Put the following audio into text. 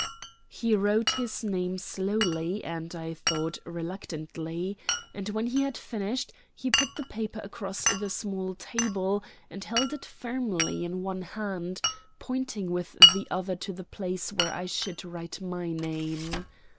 He wrote his name slowly and, I thought, reluctantly, and when he had finished, he put the paper across the small table, and held it firmly in one hand, pointing with the other to the place where I should write my name.